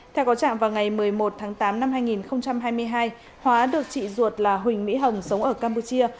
theo có trạng vào ngày một mươi một tháng tám năm hai nghìn hai mươi hai hóa được chị ruột là huỳnh mỹ hồng sống ở campuchia